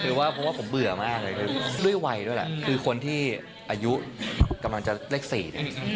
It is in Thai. คือว่าเพราะว่าผมเบื่อมากเลยด้วยวัยด้วยแหละคือคนที่อายุกำลังจะเลข๔เนี่ย